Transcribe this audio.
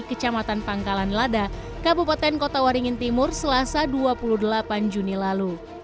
kecamatan pangkalan lada kabupaten kota waringin timur selasa dua puluh delapan juni lalu